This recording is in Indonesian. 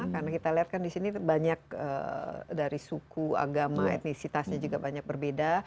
karena kita lihat kan disini banyak dari suku agama etnisitasnya juga banyak berbeda